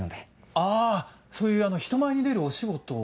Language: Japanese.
あぁそういう人前に出るお仕事を。